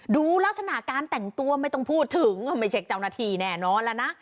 ดูลักษณะการแต่งตัวไม่ต้องพูดถึงไม่ใช่เจ้าหน้าที่แน่นอนแล้วนะ